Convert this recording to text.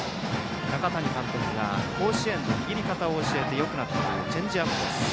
中谷監督が甲子園で握り方を教えてよくなったというチェンジアップ。